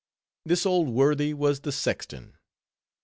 This old worthy was the sexton.